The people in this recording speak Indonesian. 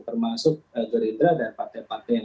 termasuk gerinda dan partai partai yang lain